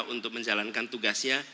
untuk menjalankan tugasnya